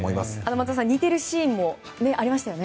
松田さん似てるシーンもありましたよね。